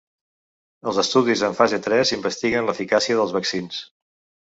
Els estudis en fase tres investiguen l’eficàcia dels vaccins.